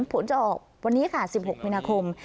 ผลจะออกวันนี้ค่ะสิบหกมินาคม